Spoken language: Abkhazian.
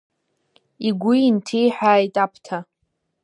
Игәы инҭиҳәааит Аԥҭа.